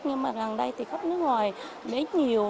nhưng mà gần đây thì khách nước ngoài đến nhiều